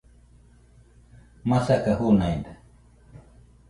masaka junaide